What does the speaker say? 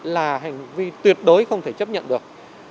là hành vi tuyệt đối không thể chấp nhận được